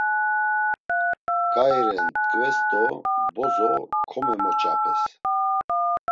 Ǩai ren tkves do bozo komemoçapes.